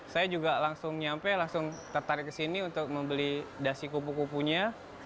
saya juga langsung nyampe langsung tertarik ke sini untuk membeli dasi kupu kupunya